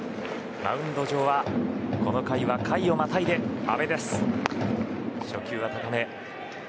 マウンド上はこの回、回をまたいで阿部です。